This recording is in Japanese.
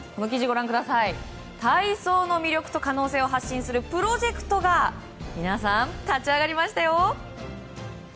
体操の魅力と可能性を発信するプロジェクトが皆さん、立ち上がりましたよ。